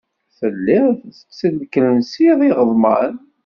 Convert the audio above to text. Tellid tettelkensid iɣeḍmen.